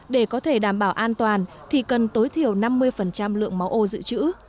để có thể đảm bảo an toàn thì cần tối thiểu năm mươi lượng máu ô dự trữ